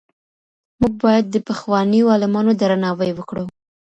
موږ باید د پخوانیو عالمانو درناوی وکړو.